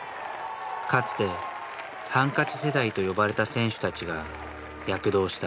かつてハンカチ世代と呼ばれた選手たちが躍動した。